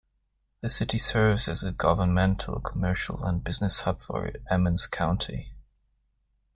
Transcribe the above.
The city serves as a governmental, commercial and business hub for Emmons County.